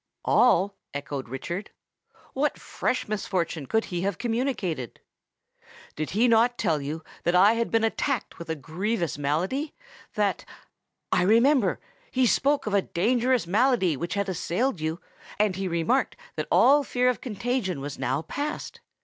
"All!" echoed Richard. "What fresh misfortune could he have communicated?" "Did he not tell you that I had been attacked with a grievous malady? that——" "I remember! He spoke of a dangerous malady which had assailed you; and he remarked that all fear of contagion was now past.